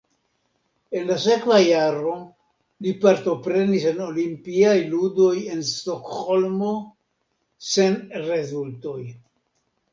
En la sekva jaro li partoprenis en Olimpiaj ludoj en Stokholmo sen rezultoj.